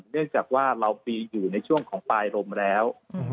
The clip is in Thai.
เนื่องจากว่าเรามีอยู่ในช่วงของปลายลมแล้ว